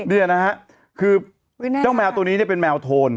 นี่นะฮะคือเจ้าแมวตัวนี้เป็นแมวโทน